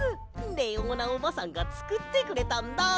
レオーナおばさんがつくってくれたんだ！